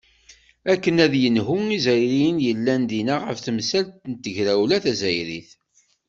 Akken ad yenhu Izzayriyen yellan dinna ɣef temsalt n tegrawla tazzayrit.